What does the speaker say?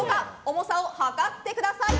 重さを量ってください。